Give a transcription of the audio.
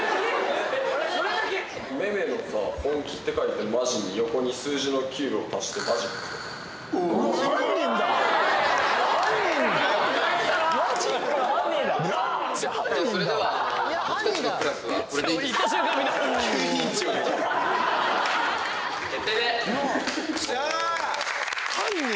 めめのさ「本気」って書いて「マジ」に横に数字の「９」を足して「マジック」とかおい！・シャーッ！